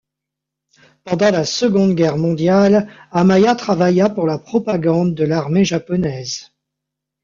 Pendant la Seconde Guerre mondiale, Hamaya travailla pour la propagande de l’armée japonaise.